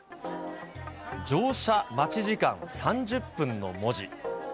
乗車待ち時間３０分の文字。